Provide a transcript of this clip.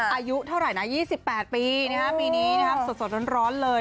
อายุเท่าไหร่นะ๒๘ปีปีนี้นะครับสดร้อนเลย